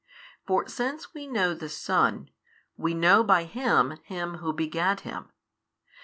For since we know the Son, we know by Him Him Who begat Him.